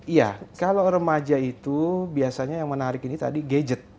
iya kalau remaja itu biasanya yang menarik ini tadi gadget